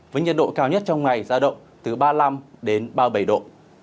với nhiệt độ cao nhất trong ngày ra động từ ba mươi năm đến ba mươi bảy độ